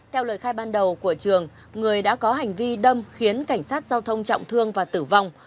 theo lời khai ban đầu của trường người đã có hành vi đâm khiến cảnh sát giao thông trọng thương và tử vong